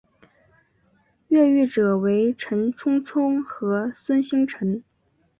越狱者为陈聪聪和孙星辰。